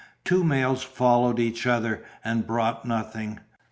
Two mails followed each other, and brought nothing.